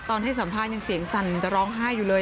ให้สัมภาษณ์ยังเสียงสั่นจะร้องไห้อยู่เลย